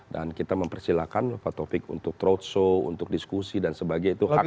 dan kita mempersilahkan pak topik untuk trot show untuk diskusi dan sebagainya